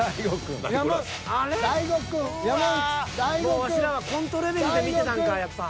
もうワシらはコントレベルで見てたんかやっぱ。